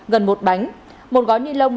gần một bánh một gói ni lông